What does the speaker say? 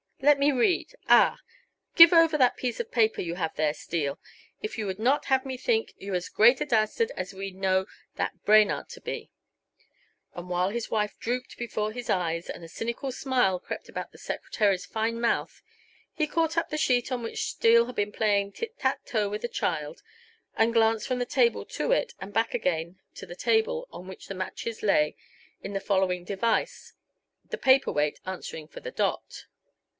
Let me read ah! give over that piece of paper you have there, Steele, if you would not have me think you as great a dastard as we know that Brainard to be!" And while his wife drooped before his eyes and a cynical smile crept about the secretary's fine mouth, he caught up the sheet on which Steele had been playing tit tat to with the child, and glanced from the table to it and back again to the table on which the matches lay in the following device, the paper weight answering for the dot: 7; L